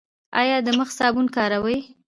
ایا د مخ صابون کاروئ؟